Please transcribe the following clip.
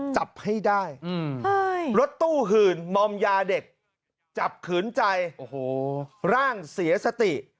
จับให้ได้รถตู้หื่นมอมยาเด็กจับขืนใจร่างเสียสติ